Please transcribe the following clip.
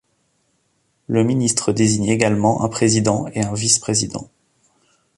Le ministre désigne également un président et un vice-président.